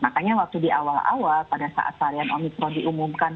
makanya waktu di awal awal pada saat varian omikron diumumkan